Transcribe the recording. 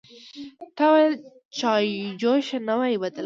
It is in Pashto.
_تا بايد چايجوشه نه وای بدله کړې.